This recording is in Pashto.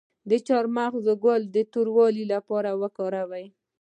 د چارمغز ګل د توروالي لپاره وکاروئ